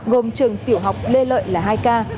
gồm trường tiểu học lê lợi là hai ca